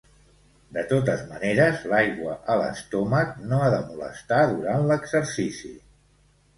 De totes maneres l'aigua a l'estómac no ha de molestar durant l'exercici.